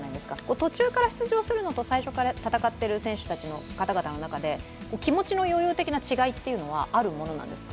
途中から出場するのと最初から戦ってる選手たちで気持ちの余裕的な違いは、あるものなんですか。